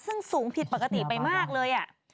ซึ่งสูงผิดปกติไปมากเลย